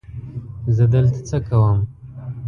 زه دلته څه کوم؟